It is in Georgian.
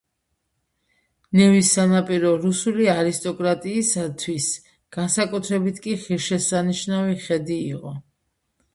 ნევის სანაპირო რუსული არისტოკრატიისთვის განსაკუთრებით ღირსშესანიშნავი ხედი იყო.